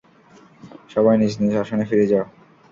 সবাই নিজ নিজ আসনে ফিরে যাও!